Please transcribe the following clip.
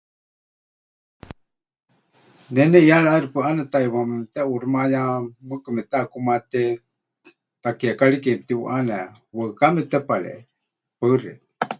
Ne neʼiyaari ʼaixɨ pɨʼane taʼiwaáma memɨteʼuuximayá, mɨɨkɨ mepɨteʼakumaté takiekari ke mɨtiuʼane, waɨká mepɨtepareewie. Paɨ xeikɨ́a.